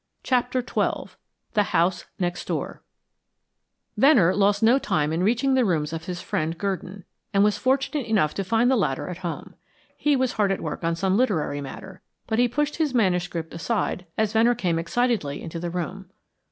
CHAPTER XII THE HOUSE NEXT DOOR Venner lost no time in reaching the rooms of his friend Gurdon, and was fortunate enough to find the latter at home. He was hard at work on some literary matter, but he pushed his manuscript aside as Venner came excitedly into the room.